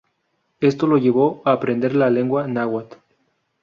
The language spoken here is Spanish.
Esto lo llevó a aprender la lengua náhuatl.